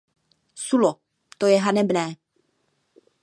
Sullo, to je hanebné.